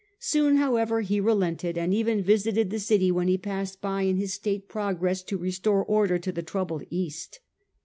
Soon, however, he relented, and even visited the city, when he passed by in his state progress to restore order to the troubled East.